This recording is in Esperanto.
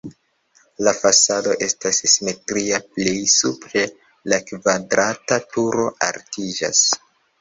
La fasado estas simetria, plej supre la kvadrata turo altiĝas.